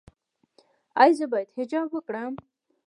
ایا زه باید حجاب وکړم؟